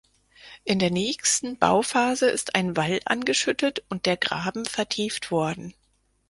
In der nächsten Bauphase ist ein Wall angeschüttet und der Graben vertieft worden.